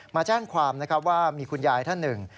มาแจ้งความนะครับว่ามีคุณยายท่านหนึ่ง